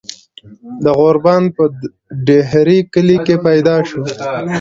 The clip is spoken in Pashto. د غوربند پۀ ډهيرۍ کلي کښې پيدا شو ۔